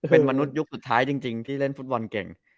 เป็นมนุษยุคสุดท้ายจริงที่เล่นฟุตบอลเก่ง